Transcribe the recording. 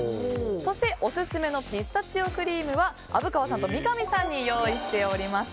そしてオススメのピスタチオクリームは虻川さんと三上さんに用意しております。